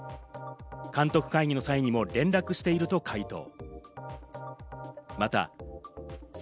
監督会議の際にも連絡していると回答。